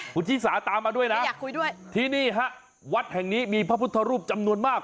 ผู้ที่สาตามาด้วยนะที่นี่ฮะวัดแห่งนี้มีพระพุทธรูปจำนวนมาก